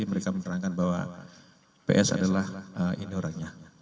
mereka menerangkan bahwa ps adalah ini orangnya